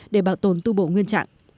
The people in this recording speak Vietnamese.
để bảo tồn tu bổ nguyên trạng